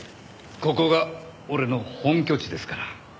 ここが俺の本拠地ですから。